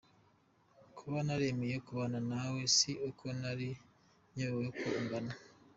Kuba naremeye kubana na we si uko nari nyobewe uko angana.